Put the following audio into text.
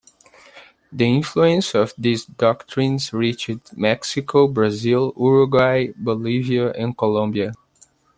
The influence of these doctrines reached Mexico, Brazil, Uruguay, Bolivia and Colombia.